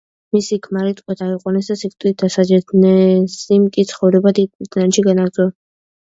მისი ქმარი ტყვედ აიყვანეს და სიკვდილით დასაჯეს, ნენსიმ კი ცხოვრება დიდ ბრიტანეთში განაგრძო.